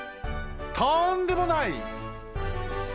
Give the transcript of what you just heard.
とんでもない！